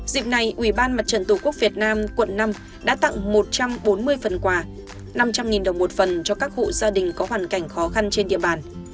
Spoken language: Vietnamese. dịp này ubnd tqvn quận năm đã tặng một trăm bốn mươi phần quà năm trăm linh đồng một phần cho các hộ gia đình có hoàn cảnh khó khăn trên địa bàn